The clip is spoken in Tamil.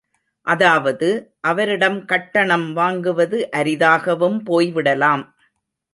அதாவது, அவரிடம் கட்டணம் வாங்குவது அரிதாகவும் போய் விடலாம்.